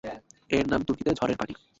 এর নাম তুর্কিতে "ঝড়ের পানি"।